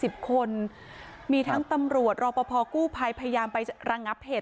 สิบคนมีทั้งตำรวจรอปภกู้ภัยพยายามไประงับเหตุ